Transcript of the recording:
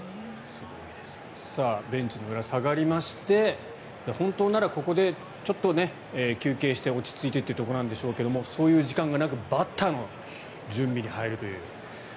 ベンチの裏に下がりまして本当ならここでちょっと休憩して落ち着いてというところなんでしょうけれどもそういう時間がなくバッターの準備に入るという。